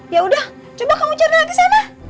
yaudah coba kamu cari nanti sana